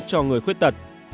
cho người khuyết tật